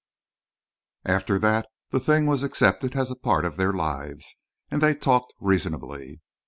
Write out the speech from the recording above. After that, the thing was accepted as part of their lives, and they talked reasonably.